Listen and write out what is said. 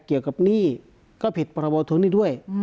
เกี่ยวกับหนี้ก็ผิดปฏิบัติบรรทุนนี้ด้วย